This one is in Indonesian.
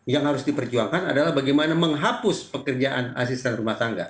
yang harus diperjuangkan adalah bagaimana menghapus pekerjaan asr